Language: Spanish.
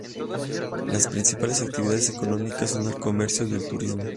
Las principales actividades económicas son el comercio y el turismo.